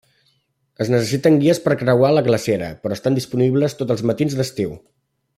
Es necessiten guies per creuar la glacera, però estan disponibles tots els matins d'estiu.